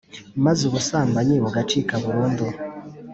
Maze ubusambanyi bugacika burundu